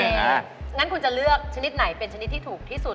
งั้นคุณจะเลือกชนิดไหนเป็นชนิดที่ถูกที่สุด